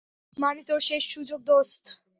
মানে, তোর শেষ সুযোগ, দোস্ত।